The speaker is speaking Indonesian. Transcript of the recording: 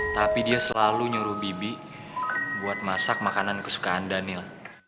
tapi dia selalu nyuruh bibi buat masak makanan kesukaan daniel